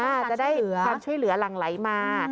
อาจจะได้ความช่วยเหลือหลั่งไหลมา